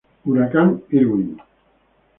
Huracán Irwin